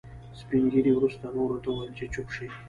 سپين ږيري وروسته نورو ته وويل چې چوپ شئ.